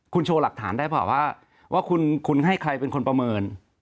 คุณโชว์หลักฐานได้เปล่าว่าว่าคุณให้ใครเป็นคนประเมิน